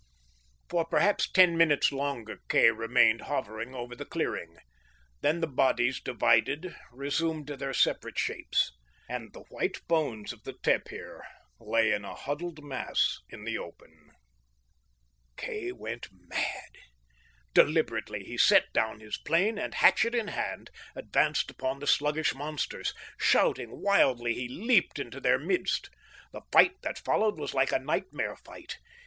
For perhaps ten minutes longer Kay remained hovering above the clearing. Then the bodies divided, resuming their separate shapes. And the white bones of the tapir lay in a huddled mass in the open. Kay went mad. Deliberately he set down his plane, and, hatchet in hand, advanced upon the sluggish monsters. Shouting wildly, he leaped into their midst. The fight that followed was like a nightmare fight.